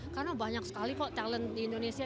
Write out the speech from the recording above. karena banyak sekali kok talent di indonesia